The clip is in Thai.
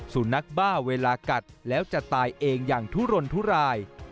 สุนัขบ้าเวลากัดแล้วจะตายเองอย่างทุรนทุราย